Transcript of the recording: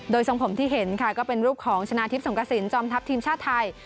โดยทรงผมที่เห็นค่ะก็เป็นรูปของชนะทิพย์สงกระสินจอมทัพทีมชาติไทย